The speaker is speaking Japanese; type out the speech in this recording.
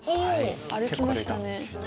歩きましたね。